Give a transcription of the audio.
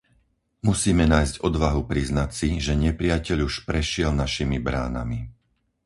Musíme nájsť odvahu priznať si, že nepriateľ už prešiel našimi bránami.